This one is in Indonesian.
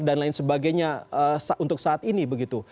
dan lain sebagainya untuk saat ini begitu